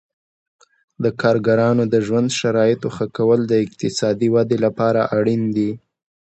د کارګرانو د ژوند شرایطو ښه کول د اقتصادي ودې لپاره اړین دي.